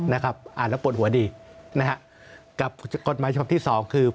อ่านแล้วปวดหัวดีกับกฎหมายฉบับที่๒คือ